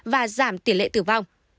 và giảm tiền lệ tử vong